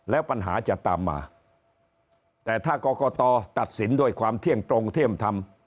แล้วปัญหาจะตามมาแต่ถ้ากรกตตัดสินด้วยความเที่ยงตรงเที่ยงธรรม